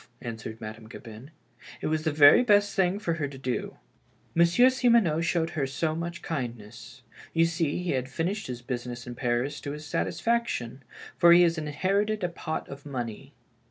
" answered Madame Gabin; "it was the very best thing for her to do. Mon sieur Simoneau showed her so much kindness. You see, he had finished his business in Paris to his satisfaction, for he has inherited a pot of money.